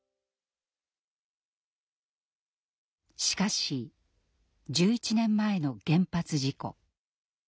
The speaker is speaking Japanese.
しかし１１年前の原発事故。